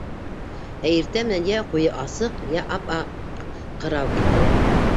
Ә иртә менән йә ҡуйы асыҡ, йә ап-аҡ ҡырау килтерә.